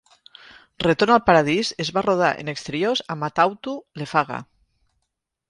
Retorn al paradís es va rodar en exteriors a Matautu, Lefaga.